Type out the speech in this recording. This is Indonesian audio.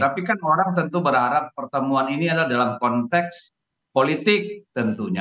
tapi kan orang tentu berharap pertemuan ini adalah dalam konteks politik tentunya